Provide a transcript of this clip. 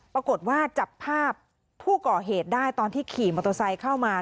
ปรากฏว่าจับภาพผู้ก่อเหตุได้ตอนที่ขี่มอเตอร์ไซค์เข้ามา